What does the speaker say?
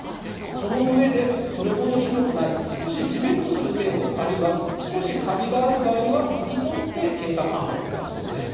そのうえで、それ程ひどくない少しじめっとする程度あるいは、少しカビがある場合は拭き取って経過観察だそうです。